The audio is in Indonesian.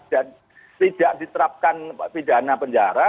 dan tidak diterapkan pidana penjara